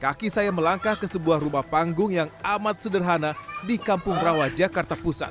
kaki saya melangkah ke sebuah rumah panggung yang amat sederhana di kampung rawa jakarta pusat